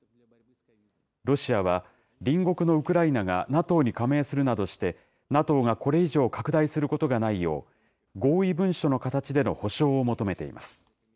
ロシアは、隣国のウクライナがＮＡＴＯに加盟するなどして、ＮＡＴＯがこれ以上、拡大することがないよう、合意文書の形での保証を求めています。